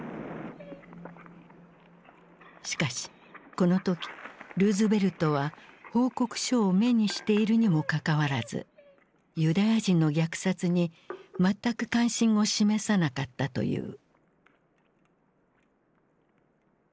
しかしこの時ルーズベルトは報告書を目にしているにもかかわらずユダヤ人の虐殺に全く関心を示さなかったという。